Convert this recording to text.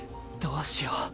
どうしよう。